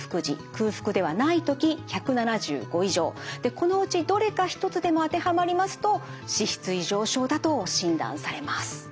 このうちどれか一つでも当てはまりますと脂質異常症だと診断されます。